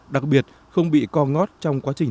đặc biệt không bị co ngót trong quá trình